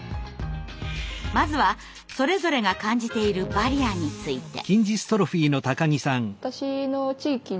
まずはそれぞれが感じているバリアについて。